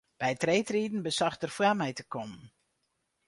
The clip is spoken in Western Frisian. By it reedriden besocht er foar my te kommen.